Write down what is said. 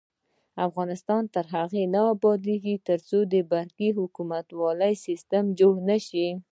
افغانستان تر هغو نه ابادیږي، ترڅو د برقی حکومتولي سیستم جوړ نشي.